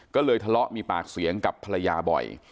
ก็เลยทะเลาะมีปากเสียงกับภรรยาบ่อย